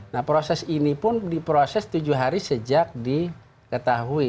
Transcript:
nah proses ini pun diproses tujuh hari sejak diketahui